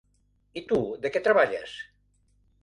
I tu, de què treballes?